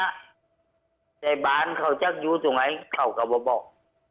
แต่บ้านเขาจะอยู่ตรงไหนเขาก็มาบอก